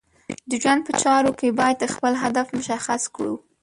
د ژوند په چارو کې باید خپل هدف مشخص کړو.